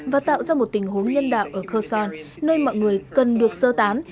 và tạo ra một tình huống nhân đạo ở kerson nơi mọi người cần được sơ tán